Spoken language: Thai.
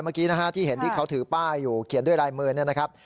เมื่อกี้นะฮะที่เห็นที่เขาถือป้ายอยู่เขียนด้วยลายมือเนี่ยนะครับ